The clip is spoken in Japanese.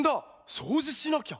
そうじしなきゃ！